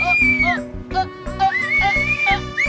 aku dan aku berdua berdua kan aja tahu